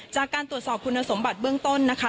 จากการตรวจสอบคุณสมบัติเบื้องต้นนะคะ